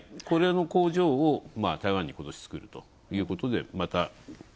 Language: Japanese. これの工場を台湾にことし造るということでまた